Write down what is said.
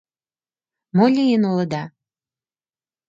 Мо лийын улыда?